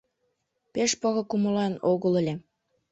Пеш поро кумылан огыл ыле: